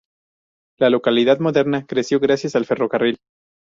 La localidad moderna creció gracias al ferrocarril.